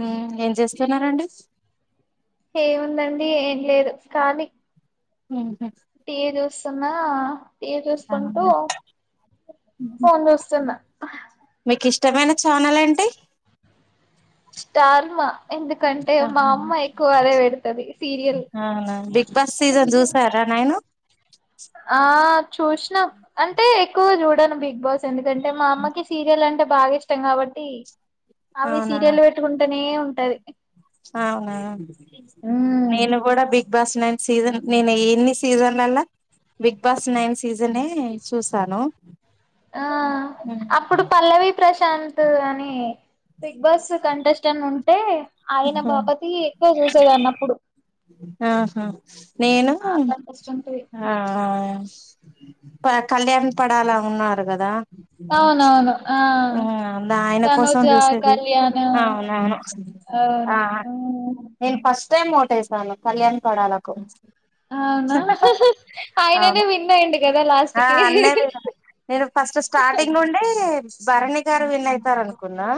మ్ ఏం చేస్తున్నారండి ఏముందండి ఏం లేదు కాలి మ్ టెజొస్ తున్నా టీవీ చూసుకుంటూ అవునా ఫోన్ చూస్తున మీకు ఇష్టమైన చనాలెంటి స్టార్మా ఎందుకంటే మా ఆహా అమ్మ ఎక్కువ అదే పెడుతది సీరియల్ బస్ సీజన్ చూసారా నను చూష్ణం అంటే ఎక్కువ చూడు బిగ్ బాస్ ఎందుకు కంటే మా అమ్మకి సీరియల్ అంటే బాగా ఇష్టం కాబట్టి అవి అవునా సీరియల్ పెట్టుకుంటానే ఉంటది ఉంటాది అవునా నేను కూడా big Bigg Boss nine season నేను ఎన్ని సీజన్లలా బిగ్ బాస్ నైన్ సీజనే చూసాను ఆ అప్పుడు పల్లవి ప్రశాంతు అని బిగ్ బాస్ కంటెస్టెంట్ ఉంటే ఆయన బాపతి ఎక్కువ చూసేదాని అన్నప్పుడు [unintelligible] నేను ఆ కంటెస్టెంట్ వి ఆ ప కళ్యాణ్ పడాలా ఉన్నారు కదా ఆ ఆయన తనుజ, కోసం చూసేది కళ్యాణ్ అవునవును అవును హ్మ్. నేను ఫస్ట్ మేం ఓటేసనమ్ కళ్యాణ్ పడాలకు అవునా ఉహ్ ఆయనే అవును విన్నాయుండు కదా లాస్ట్ ఆ కి అన్నది భర్ని భర్ని సార్ విన్ అయితారునుకున్నా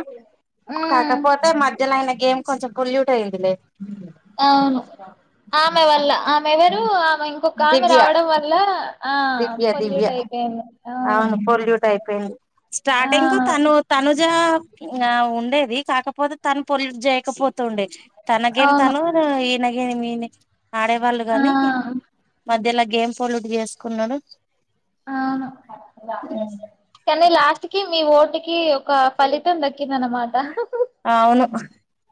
మ్మ్ కాకపోతే మధ్యలో అయన గేమ్ కొంచెం పొల్యూట్ అయిందిలే అవును ఆమె వల్ల ఆమె ఎవరు ఆమె ఇంకొక ఆమె దివ్య రావడం వల్ల ఆ దివ్య దివ్య పొల్యూట్ అయిపోయింది అవును పొల్యూట్ అయిపోయింది ఆ స్టార్టింగ్ కు తను తనుజ ఉ ఉండేది కాకపోతే తను పొల్యూట్ చేయకపోతుండేది తనగేం అవును తను ఈన ని మీనే ఆడే ఆ వాళ్ళుగానీ మధ్యలో గేమ్ పొల్యూట్ చే కున్నా డు అవును కానీ లాస్ట్ కి మీ ఓట్ ఇటికి ఒక ఫలితం దక్కింద అనమాట అవును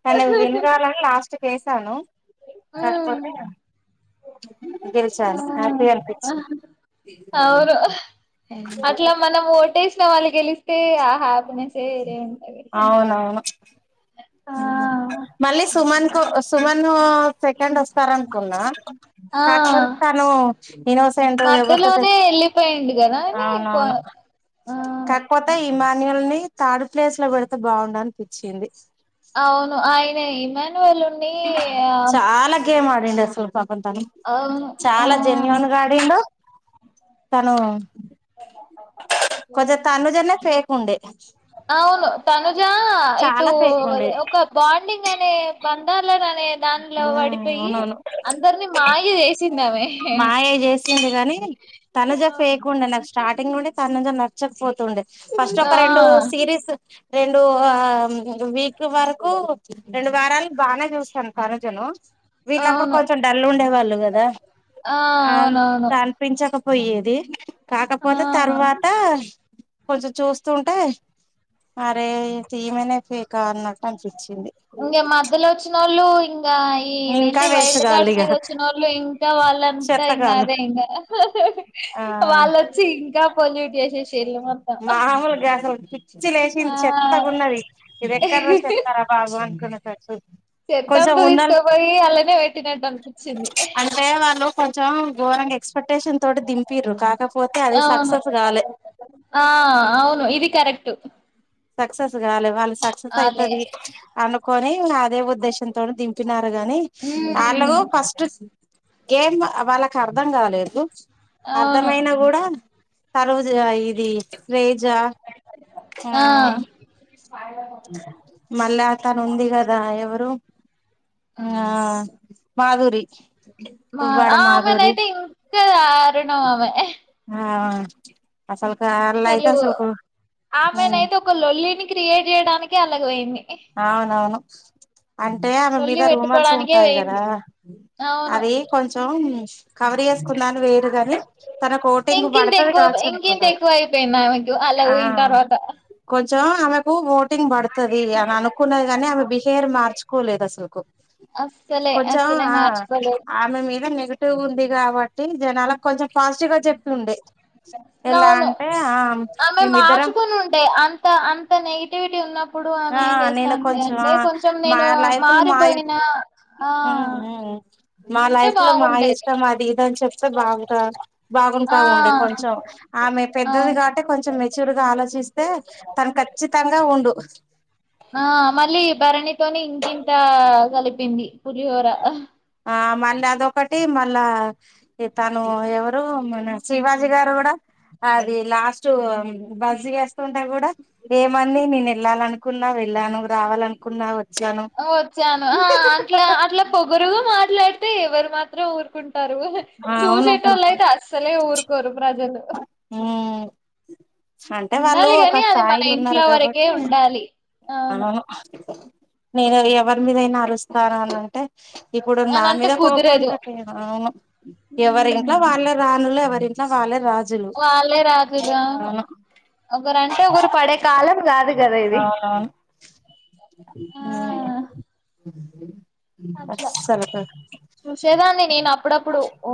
తను వినగాలని లాస్ట్ వసాను మ్మ్ కాకపోతే ఆ గెలిచాను హ్యాపీ అనిపించ అవును సిన వాళ్లు గెలిస్తే ఆ హ్యాపీనెస్ వేరే ఉంటది అవునవును ఆ మళ్ళీ సుమన్ కు సుమన్ సెకండ్ వస్తు స్తార అనుకున్నా ఆ కాకపోతే తను ఇనోసెంట ఎవోస మధ్యలోనే వెళ్ళిపోయిండు కదా అని కొ అవునవును ఆ కాకపోతే ఇమాన్యువల్ని థర్డ్ ప్లేస్ లో పెడితే బాగుండనిపించింది అవును ఆయన ఇమాన్యువల్డి ఆ నేను అసలు టాను ఆ చాలా జెన్యుూన్ గాడ తను కొజ తనుజనా ఫేక్ కుండే అవును తనుజా ఇటు ఫేక్ ఉండే ఒక బాండింగ్ అనే బంద దానిలో పడిపోయి అవునవును అందరిని మాయ వేసి మాయ చేసింది కానీ తనజ ఫేకుండ నాకు స్టార్టింగ్ నుండే తనుజ నచ్చక పొతే ండ ఫస్ట్ ఒక రెండు ఆ సిరీస్ రెండు వీక్ వరకు రెండు వారాలు బాగా చూస్తాను ఖరోజను వీళ్ళప్పుడు అవును కొంచెం డల్ ఉండేవాళ్ళు కదా ఆ అవును అవును పోయ్యేది కాకపోతే తర్వాత కొంచెం చూస్తుంటే అరే తిమనే ఫీక అన్నట్టు అనిపి ఇంగ మధ్యలో వచ్చినోళ్లు ఇంగ ఇదేంటి ఇంకా టి వేస్ట్ వైల్డ్ గాళ్ళు కార్డ్ ఇగ మీద వచ్చిన వాళ్ళు ఇంకా వాళ్ళంతా ఇంకా చెత్తగాళ్ళు అదే ఇంకా ఆ వాళ్ళొచ్చి ఇంకా పలిట్ చేసేసి మామూలుగాదు పిచ్చి ఆ లేసింది చెత్తగున్నది ఇది ఎక్కర చెత్తారా బాబు అనుకున్న సరికి చెత్తంత తీసుకపోయి అండ్లనేపెట్టినట్టు అనిపించింది అంటే వాళ్ళు కొంచెం గోరంగా ఏక్సు ఎక్స్పెక్ట్షన్ తోటి దింపిరు కాకపోతే అది అవును సక్సెస్ కాలే ఆ అవును ఇది కరెక్ట్ సక్సెస్ గాలే వాళ్ళ సక్సెస్ ఆలే అయితది అనుకొని ఇంగ అదే ఉద్దేశం తోనీ దింపినారు గాని మ్మ్ ఆళ్ళూ ఫస్ట్ గేమ్ వాళ్ళకి అర్ధం కలేదు అవును అర్ధమయినా కూడా సర్వజ ఇది త్రేజ ఆ ఆం హా మళ్ళ తను ఉంది కదా ఎవరు ఆ మాధురి మ దువ్వాడ మాధురి ఆమెనయితే ఇంకా దారుణం ఆమె ఆ అసలు తెలుగు ఆమెన తే ఒక లొల్లిని క్రియేట్ చేయడానికి అల్లకు పోయింది అవునవును అంటే ఆమె లొల్లి మీద రూమర్స్ పెట్టుకోవడానికే ఉంటాయి పోయింది కదా అవును అది కొంచెం కవర్ చేసుకుందాం అని వోయింరు గానీ తనకు ఓటింగ్ ఇంకింత పడుతుంది ఎక్కువ కావచ్చు ఇంకింత అనుకున్నారు ఎక్కువ అయిపోయింది ఆమెకు అల్లకు ఆ పోయిన తర్వాత కొంచెం ఆమెకు వో టింగ్ బాడుతది అనుకున్నది కానీ ఆమె బిహేవర్ మార్చుకోలేదు అసకు అస్సలే కొంచెం అస్సలే ఆ. మార్చుకోలేదు ఆమె మీద నెగిటివ్గుంది కాబట్టి జనాలకు కొంచెం పాజిటివ్ గా చెప్తుండే అవును ఆమె మేమిద్దరం మార్చుకుని ఉంటే అంత అంత నెగిటివిటీ ఉన్నప్పుడు ఆ ఏం చేస్తా నేను అంటే కొంచెం అంటే కొంచెం మా నేను లైఫ్ లు మా ఇ మారిపోయినా ఆ మా ఉంటే లైఫ్ మా బాగుండేది ఇష్టం అది ది చెప్ బాగు ఆ బాగుంటా ఉండే కొంచెం ఆమె ఆ పెద్దది కావట్టి కొంచెం మెచ్యూర్ గా ఆలోచిస్తే తను ఖచ్చితంగా ఉండు [inaudible] ఆ మళ్ళీ భరణి తోనే ఇంకింత కలిపింది పులిహోర ఆ మళ్ళీ అదొకటి మళ్ళా తను ఎవరు మన శివాజీ గారు కూడా, అది లాస్ట్ బస్ వేస్తుంటే కూడా ఏమని నేను వెళ్ళాల అనుకున్నావు వెళ్ళాను రావాలనుకున్నావు. ఓ వచ్చాను ఆ అట్లా అట్లా పొగరు మాట్లాడితే ఎవరు మాత్రం ఊరుకుం ఉంటారు, ఆ అవును చూసేటోళ్ళు అసలుకు అయితే అస్సలే ఊరుకోరు ప్రజలు, ఉమ్ అంటే వాళ్ళు ఉండాలి ఒక కాని అది మన స్థాయిలు ఉన్నారు ఇంట్లో వరకే కాబట్టి ఉండాలి, అవును నేను ఎవరి మీదయినా అరుస్తాను అనింటే ఇప్పుడు నా అనంటే మీద కోపం కుదరదు అంతచెయవా ఎవరింట్లో ఉమ్. వాళ్ళే రాణులు ఎవరింట్లో వాళ్ళే రాజు వాళ్ళే రాజులు అవును ఒకరు అంటే ఒకరు పడే కాలం కాదు కదా ఇది అవునవును ఆ హ్మ్ అట్లా చూసేదాన్ని నేను అప్పుడప్పుడు ఓ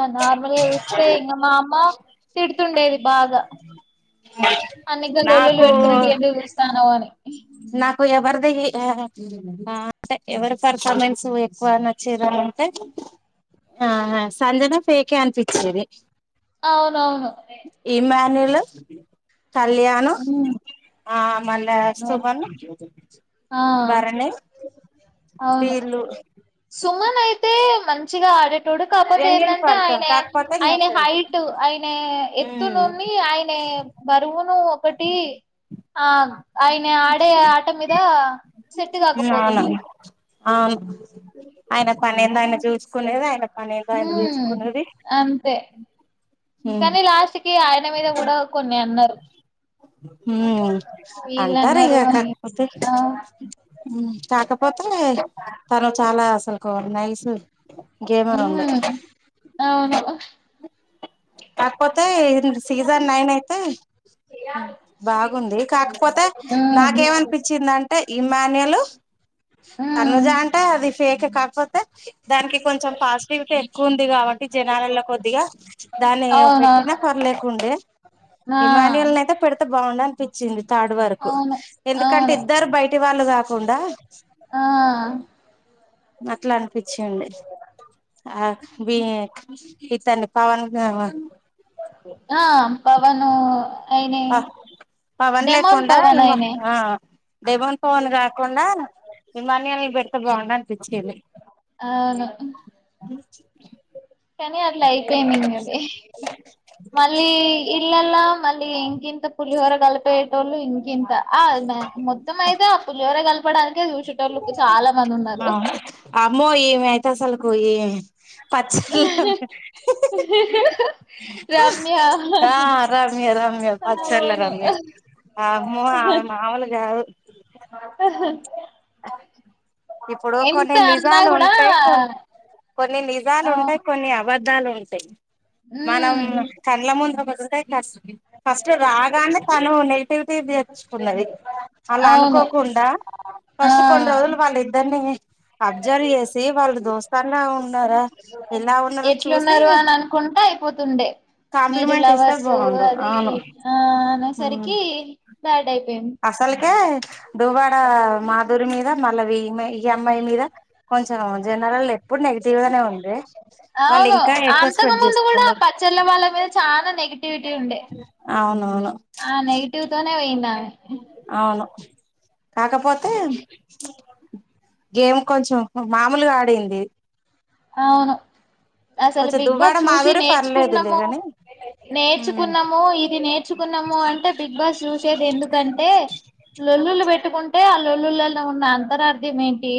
అ నార్మల్ గా చూస్తే ఇంకా మా అమ్మ తిడుతుండేది బాగా అన్నికలొల్లులు పెట్టుకునేటు ఎందుకు చూస్తాన్నావు అని నా నాకు ఎవరిది ఆ అంటే ఎవరి పర్ఫార్మెన్స్ ఎక్కువ నచ్చేదంటే ఆ సంజన ఫేకే అనిపించేది. అవునవును ల్ కళ్యాణు మ్మ్ ఆ మళ్ళా సుమను ఆ అవును వీళ్ళు సుమన్ అయితే టే మంచిగా ఆడ డు కాకపోతే జెన్యున్ ఏంటంటే పర్సన్ ఆయన కాకపోతే ఆయన ఇన్నోసెంట్ హైట్ ఆయన ఎత్తు ను ఉమ్ ఆయన బరువును ఒకటి ఆ ఆయిన ఆడే ఆట మీద సెట్ కాకపోతుండే అవును అవును ఆయన పని ఏందో ఆయన చూసుకునేది ఆయన పని ఏందో ఆయన మ్మ్ చూసుకునేది ఉమ్ కనీ లాస్ట్కి ఆయ మీద కూడా కొన్ని ఉన్నారు హ్మ్మ్ వీళ్ళన్నారు అంటారిగా అని కాకపోతే ఆ మ్ కాకపోతే తను చాలా అసలు కాలి నైస్ గేమ్ ర ఉంది హ్మ్ అవును కాకపోతే సీజన్ నైన్ అయితే బాగుంది కాకపోతే హ్మ్ నాకేమనిపించిందింటే ఇమాన్యలు హ్మ్ తనుజా అంటా అది ఫేక్ ఇ కాకపోతే దానికి కొంచెం పాజిటివిటీ ఎక్కువ ఉంది కాబట్టి ఎలా కొద్దిగా దాని పెట్టినా అవునవును పర్లేకుండే ఆ ఇమాయుల్ అయిత పెడుత బాగుడా అనిపించింది తాడు వరకు అవును ఎందుకంటే అవును ఇద్దరు బయటి వాళ్ళు కాకుండా ఆ అట్లా అనిపించిడి ఆ బ ఇయితండడి పవన్ ఆ పవను అయినే ప పవన్ డెమోన్ లేకుండా పవన్ ఇమా అయినే దేవాన్ పవన్ కాకుండా ఇమాన్యాలని పెడితే బాగుండు అనిపించింది అవును కానీ అట్లా అయిపోయిది అది మళ్ళీ పిల్లలా మళ్ళీ ఇం పులిహోర కలిపితోళ్లు నింకెంత ఆ మొత్తం అయితే పులిహోర కల్ పడ చూసేటోలు చాలా మంది ఉన్నారు ఆ అయితే అసలుకు పచ్చళ్ళ రమ్య ఆ రమ్య రమ్య పచ్చళ్ళ అవును రమ్య ఆ అమ్మో ఆమె మామలు కాదు ఇప్పుడు ఎంత కొన్ని అన్నా నిజాలు కూడా ఉంటాయి కొ కొన్ని నిజాలు ఆ ఉంటాయి కొన్ని అవ అద్దాలంటాయి మనం ఉమ్ కండ్ల ముందు పతే ఫస్ట్ ఫస్ట్ రాగానే నెగెటివ్ కున్నది వాళ్లా అవును అనుకోకుండా ఆ ఫస్ట్ కొన్ని రోజులు వాళ్ళ అదండి అబ్జర్వ్ చేసి వాళ్ళు దోస్తన్లా ఉన్నారా ఎలా ఉన్నారో చూసి ఎట్లున్నారు అని అనుకుంటా అయిపోతుండే మీరు కాంప్లిమెంట్ ఇస్తే లవర్సు బాగుండు అది అవును ఆ అనేసరికి బ్యాడ్ అయిపోయింది అసలుకే దువ్వాడ మాధూరి మీద మళ్ళా వియ్యమ ఈ అమ్మాయి మీద కొంచెం జనరల్ ఎప్పుడు నెగిటివ్గానే ఉంది వాళ్ళు అవును ఇంకా ఎక్కువ అంతకు స్ప్రెడ్ ముందు కూడా చేసుకుండరు పచ్చళ్ళ వాళ్ళ మీద చాలా నెగిటివిటీ ఉండే ఆ అవునవును ఆ నెగిటివ్ తోనే పోయిందామె అవును కాకపోతే గేమ్ కొంచెం మామూలుగా ఆడింది ఆవును అసలు కొంచెం బిగ్ దువ్వాడ బాస్ చూసి మాధురి పర్లేదులే నేర్చుకున్నాము గాని నేర్చుకున్నాము ఇది నేర్చుకున్నాము అంటే బిగ్ బాస్ చూసేది ఎందుకంటే లొల్లులు పెట్ పెట్టుకుంటే ఆలుల్లులలో ఉన్న అంతరార్ధం ఏంటి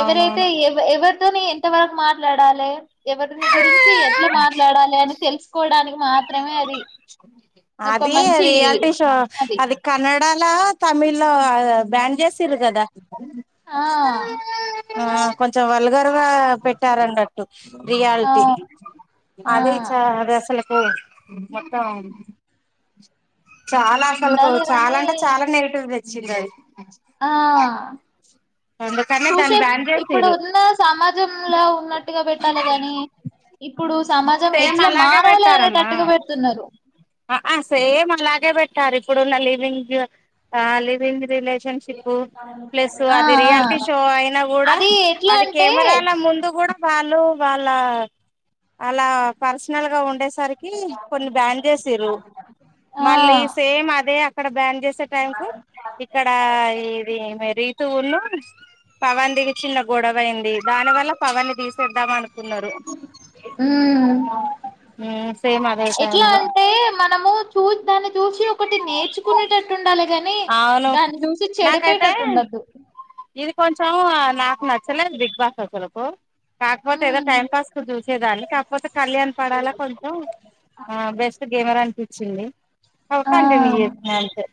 ఎవర అయితే అవునవును ఎ ఎవరితోనే ఎంతవరకు మాట్లాడాలి ఎవరిని గురించి మంచి ఎట్లా మాట్లాడాలి అని తెలుసుకోవడానికి మాత్రమే అది ఒక అది మంచి అది డాల తమిళ్ లో బ్యాన్ చేసిండ్రు కదా ఆ కొంచెం వాల్ల గర్వ పెట్టారున్నట్టు రియాలిటీ అవు ఆ అదే ఈ చ వ హలో మొత్తం చాలా అసలుకు ఉండాలి చాలా గాని అంటే చాలా నెగిటివ్ చిల్లాది ఆ అందుకనే దాన్ని చూసే బ్యాన్ ఇప్పుడు చేసిర్రు ఉన్న సమాజంలా ఉన్నట్టుగా పెట్టాలి గానీ ఇప్పుడు సమాజం సేమ్ ఎట్లా అలాగే మారాలి అనేటట్టుగా పెడుతున్నారు అ అ సేమ్ అలాగే పెట్టారు ఇప్పుడున్న లివింగ్ ఆ లివింగ్ రిలే షిప్ ప్లస్ ఆ అది ఆ రియాలిటీ షో అయినా కూడా అది ఎట్లా అది అంటే కెమెరాల ముందు కూడా వాళ్ళు వాళ్ళ వాళ్ళ పర్సనల్ గా ఉండే సరికి కొన్ని బ్యాండ్ సిరు ఆ మళ్ళీ సేమ్ అదే ఇక్కడ బ్యాండ్ చేస్ టైం కు ఇక్కడ ఇది మే రీతును పవన్ ది చిన్న గొడవ అైంది దాని వల్ల పవన్ తీసేద్దాం అనుకు కున్నారు ఉమ్ సేమ్ అదే ఎట్లా టైంలో అంటే మనము చూ దాన్ని చూసి ఒకటి నేర్చుకునేటట్టు ఉండాలి కని అవును దాన్ని చూసి నాకైతే చెడిపేటట్టు ఉండొద్దు ఇది కొంచం నాకు నచ్చలేదు బిగ్ బాస్ అసలుకు కాకపోతే ఏదో ఉమ్ టైం పాస్ కు చూసేదాన్ని కాకపోతే కళ్యాణ్ పడాల కొంచం ఆ బెస్ట్ గేమర్ అనిపిచ్చింది అవ్ ఆ కంటిన్యూ చేస్తున్నా అంతే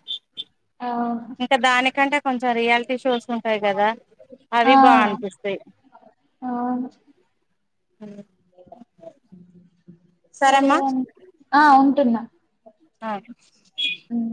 అవును ఇంకా దాని కంటే కొంచం రియాలిటీ షోస్ ఉంటాయి కదా అవి ఆ బా అనిపిస్తాయి అవును హు సరే అండి ఆ ఉంటున్న ఆ ఉమ్